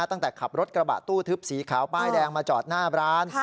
ขับรถกระบะตู้ทึบสีขาวป้ายแดงมาจอดหน้าร้าน